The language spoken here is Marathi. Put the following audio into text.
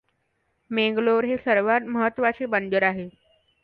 मेंगलोर हे सर्वात महत्त्वाचे बंदर आहे.